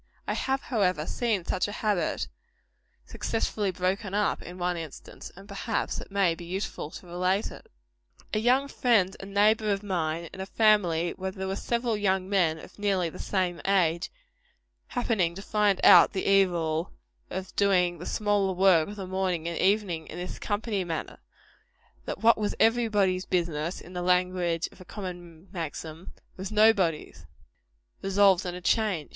I have, however, seen such a habit successfully broken up; in one instance; and perhaps it may be useful to relate it. A young friend and neighbor of mine, in a family where there were several young men of nearly the same age, happening to find out the evil of doing the smaller work of the morning and evening in this company manner that what was "every body's business," in the language of a common maxim, "was nobody's" resolved on a change.